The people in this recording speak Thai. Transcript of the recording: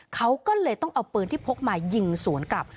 เขาก็เลยต้องเอาปืนที่พกมายิงสวนกลับ